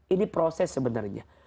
ini proses sebenarnya